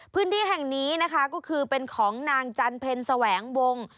พื้นที่แห่งนี้นะคะก็คือเป็นของนางจันเพ็ญแสวงวง